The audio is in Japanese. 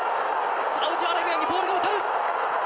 サウジアラビアにボールが渡る。